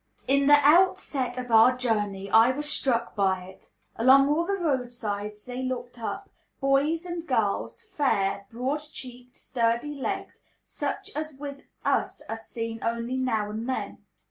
In the outset of our journey I was struck by it; along all the roadsides they looked up, boys and girls, fair, broad cheeked, sturdy legged, such as with us are seen only now and then.